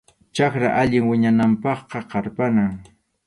Chakra allin wiñananpaqqa qarpanam.